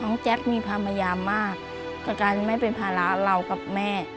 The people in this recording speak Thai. น้องแจ๊กส์มีพรามยามากจะก่อนไม่เป็นภาระเรากับแม่